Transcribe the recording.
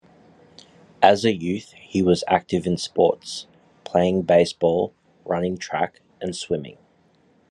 As a youth he was active in sports, playing baseball, running track and swimming.